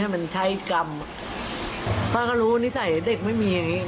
ให้มันใช้กรรมก็รู้ตัวนิสัยเด็กไม่มี